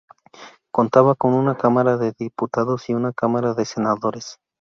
Contaba con una Cámara de Diputados y una Cámara de Senadores.